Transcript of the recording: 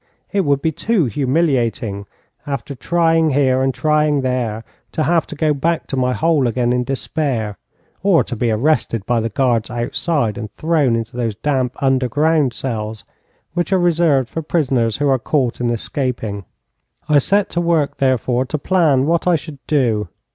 It would be too humiliating, after trying here, and trying there, to have to go back to my hole again in despair, or to be arrested by the guards outside, and thrown into those damp underground cells which are reserved for prisoners who are caught in escaping. I set to work, therefore, to plan what I should do.